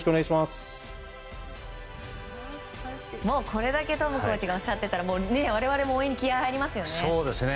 これだけトムコーチがおっしゃっていたら我々も応援に気合が入りますよね。